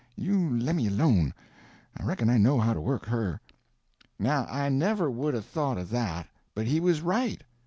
You lemme alone; I reckon I know how to work her." Now I never would 'a' thought of that. But he was right.